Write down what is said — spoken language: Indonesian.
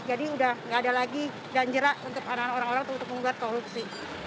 jadi udah nggak ada lagi ganjera untuk orang orang untuk membuat korupsi